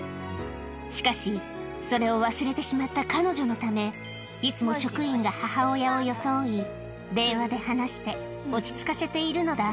しかし、それを忘れてしまった彼女のため、いつも職員が母親を装い、電話で話して落ち着かせているのだ。